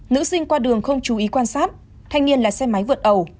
nữ sinh qua đường không chú ý quan sát thanh niên là xe máy vượt ẩu